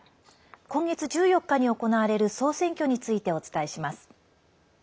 今月１４日に行われる総選挙についてお伝えします。